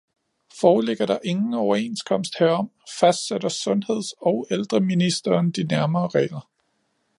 Foreligger der ingen overenskomst herom, fastsætter sundheds- og ældreministeren de nærmere regler